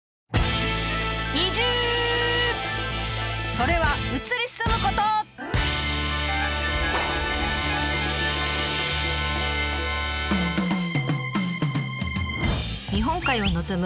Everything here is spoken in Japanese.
それは日本海を望む